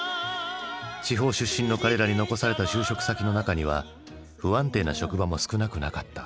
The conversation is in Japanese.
地方出身の彼らに残された就職先の中には不安定な職場も少なくなかった。